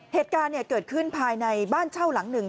เหตุการณ์เกิดขึ้นภายในบ้านเช่าหลังหนึ่ง